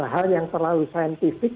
hal yang terlalu saintifik